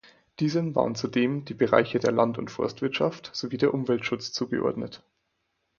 Diesem waren zudem die Bereiche der Land- und Forstwirtschaft sowie der Umweltschutz zugeordnet.